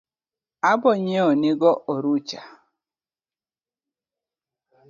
Abo nyieo ni go orucha